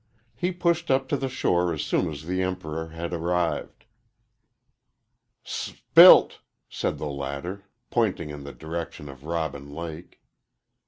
He pushed up to the shore as soon as the Emperor had arrived. "Sp'ilt," said the latter, pointing in the direction of Robin Lake.